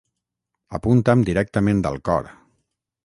»—Apunta'm directament al cor.